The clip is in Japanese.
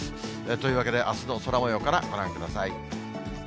というわけであすの空もようからご覧ください。